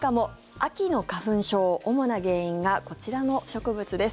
秋の花粉症主な原因がこちらの植物です。